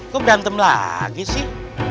kok berantem lagi sih